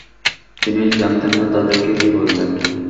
তিনি জানতেন না তাদেরকে কি বলবেন।